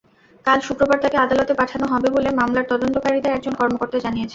কাল শুক্রবার তাঁকে আদালতে পাঠানো হবে বলে মামলার তদন্তকারীদের একজন কর্মকর্তা জানিয়েছেন।